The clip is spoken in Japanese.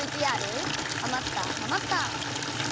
ＶＴＲ、ハマったハマった。